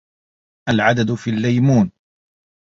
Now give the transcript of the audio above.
العدد في الليمون